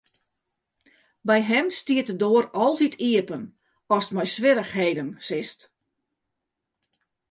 By him stiet de doar altyd iepen ast mei swierrichheden sitst.